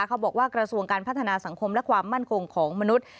กระทรวงการพัฒนาสังคมและความมั่นคงของมนุษย์